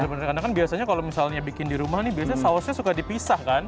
oh benar benar karena kan biasanya kalau misalnya bikin di rumah nih biasanya sausnya suka dipisah kan